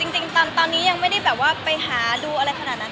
จริงตอนนี้ยังไม่ได้แบบว่าไปหาดูอะไรขนาดนั้น